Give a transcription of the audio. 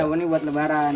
iya ini buat lebaran